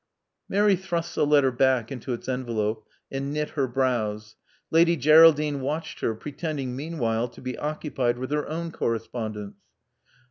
Mary thrust the letter back into its envelope, and knit her brows. Lady Geraldine watched her, pretending meanwhile to be occupied with her own corre spondence.